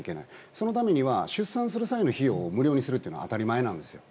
そのためには出産する際の費用を無料にするのは当たり前なんですよ。